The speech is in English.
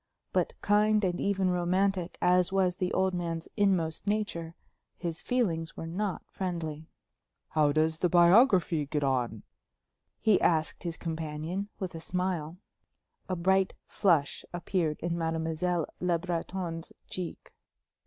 But kind and even romantic as was the old man's inmost nature, his feelings were not friendly. "How does the biography get on?" he asked his companion, with a smile. A bright flush appeared in Mademoiselle Le Breton's cheek.